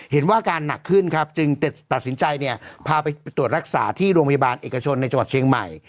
เห็นว่าอาการหนักขึ้นจึงตัดสินใจพาไปตรวจรักษาที่โรงพยาบาลเอกชนในจังหวัดเชียงใหม่